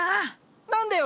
何だよ？